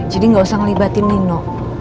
jadi gak usah ngelibatin nino